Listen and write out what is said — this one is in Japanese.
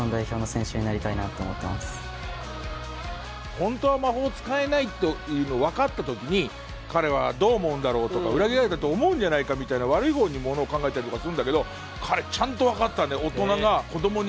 本当は魔法使えないっていうの分かった時に彼はどう思うんだろうとか裏切られたと思うんじゃないかみたいな悪いほうにものを考えたりとかするんだけど彼ちゃんと分かってたね。